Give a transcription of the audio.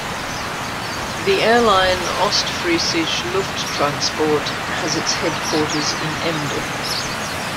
The airline Ostfriesische Lufttransport has its headquarters in Emden.